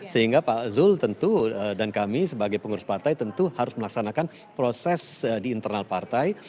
sehingga pak zul tentu dan kami sebagai pengurus partai tentu harus melaksanakan proses di internal partai